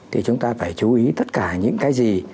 thì chúng ta phải chú ý tất cả những cái gì